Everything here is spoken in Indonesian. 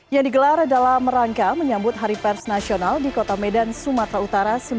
yang digelar dalam rangka menyambut hari pers nasional di kota medan sumatera utara